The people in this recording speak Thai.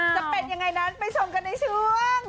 จะเป็นยังไงนั้นไปชมกันในช่วง